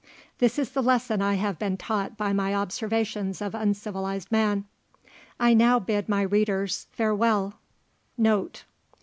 This is the lesson I have been taught by my observations of uncivilized man. I now bid my readers Farewell! NOTE.